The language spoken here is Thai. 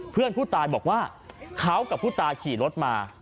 เพื่อนผู้ตายบอกว่าเขากับผู้ตายขี่รถมา